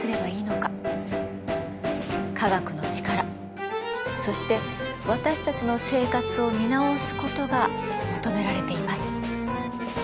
科学の力そして私たちの生活を見直すことが求められています。